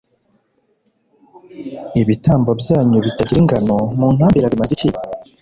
ibitambo byanyu bitagira ingano muntambira bimaze iki